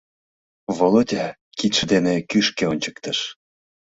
— Володя кидше дене кӱшкӧ ончыктыш.